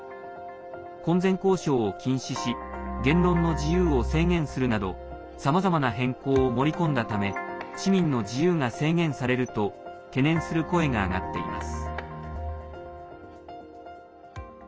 婚前交渉を禁止し言論の自由を制限するなどさまざまな変更を盛り込んだため市民の自由が制限されると懸念する声が上がっています。